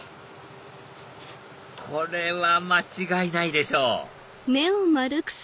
これは間違いないでしょ